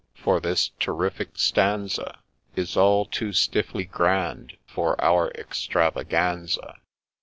— for this terrific stanza Is all too stiffly grand for our Extravaganza.